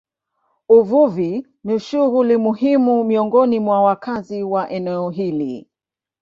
Uvuvi ni shughuli muhimu miongoni mwa wakazi wa eneo hili.